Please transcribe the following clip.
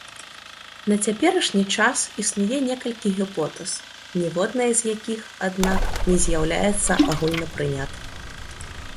На цяперашні час існуе некалькі гіпотэз, ніводная з якіх, аднак, не з'яўляецца агульнапрынятай.